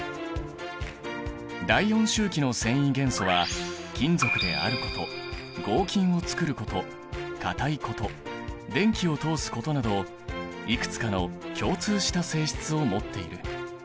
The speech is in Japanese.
第４周期の遷移元素は金属であること合金をつくることかたいこと電気を通すことなどいくつかの共通した性質を持っている。